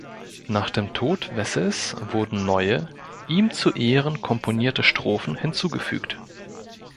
Nach dem Tod Wessels wurden neue, ihm zu Ehren komponierte Strophen hinzugefügt.